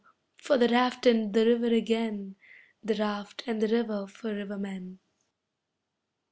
for the raft and the river again, The raft and the river for rivermen.